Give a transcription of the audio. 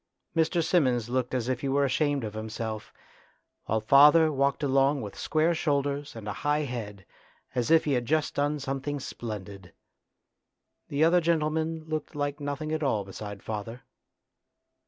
Mr. Simmons looked as if he were ashamed of himself, while father walked along with square shoulders and a high head as if he had just done something splendid. The other gentleman looked like nothing at all beside father.